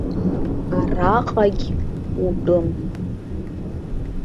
Араҟагь утәым.